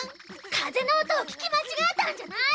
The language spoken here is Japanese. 風の音を聞き間違えたんじゃない？